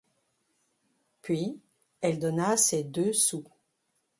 Puis, elle donna ses deux sous.